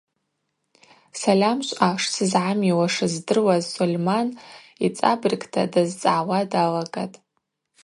Сальамшвъа шсызгӏамиуашыз здыруаз Сольман йцӏабыргта дазцӏгӏауа далагатӏ.